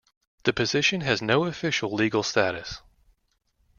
The position has no official legal status.